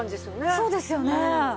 そうですよね！